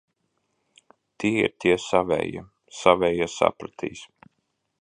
Tie ir tie savējie. Savējie sapratīs.